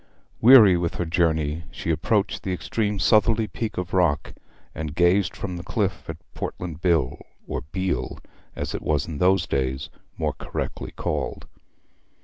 Weary with her journey, she approached the extreme southerly peak of rock, and gazed from the cliff at Portland Bill, or Beal, as it was in those days more correctly called.